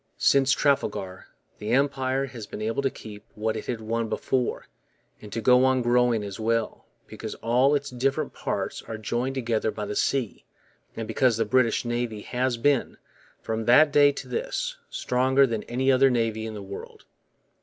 Since Trafalgar the Empire has been able to keep what it had won before, and to go on growing as well, because all its different parts are joined together by the sea, and because the British Navy has been, from that day to this, stronger than any other navy in the world.